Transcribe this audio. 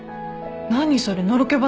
何それのろけ話？